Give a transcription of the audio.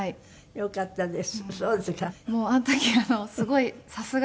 よかったです。